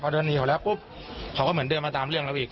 เดินหนีเขาแล้วปุ๊บเขาก็เหมือนเดินมาตามเรื่องเราอีก